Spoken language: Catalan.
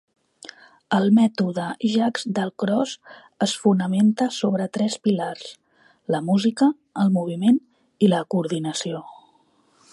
El mètode Jaques-Dalcroze es fonamenta sobre tres pilars: la música, el moviment i la coordinació.